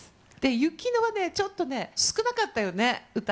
ユキノはね、ちょっとね、少なかったよね、歌。